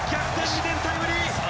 ２点タイムリー！